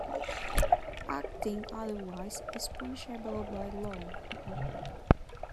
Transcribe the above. Acting otherwise is punishable by law.